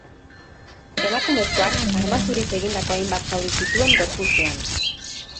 Emakumezkoak arma zuriz egindako hainbat zauri zituen gorputzean.